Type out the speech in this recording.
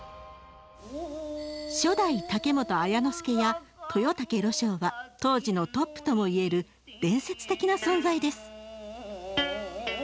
初代竹本綾之助や豊竹呂昇は当時のトップともいえる伝説的な存在です。